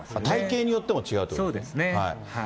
体形によっても違うということですね。